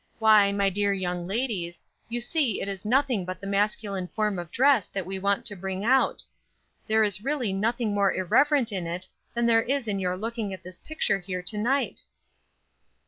Why, my dear young ladies, you see it is nothing but the masculine form of dress that we want to bring out. There is really nothing more irreverent in it than there is in your looking at this picture here to night."